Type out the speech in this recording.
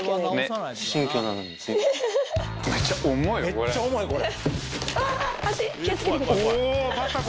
めっちゃ重いこれ。